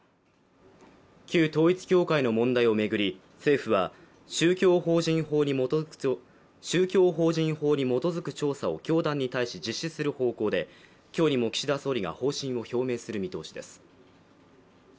旧統一教会の問題を巡り、政府は宗教法人法に基づく調査を教団に対し実施する方向で今日にも岸田総理が方針を表明する見通しです。